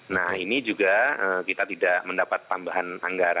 nah ini juga kita tidak mendapat tambahan anggaran